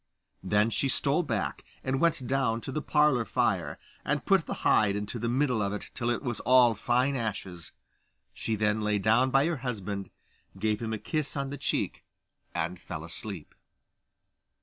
Then she stole back, and went down to the parlour fire, and put the hide into the middle of it till it was all fine ashes. She then lay down by her husband, gave him a kiss on the cheek, and fell asleep.